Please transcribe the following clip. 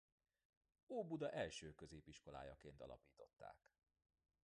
Óbuda első középiskolájaként alapították.